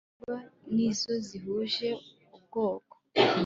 inyoni zibana n'izo zihuje ubwoko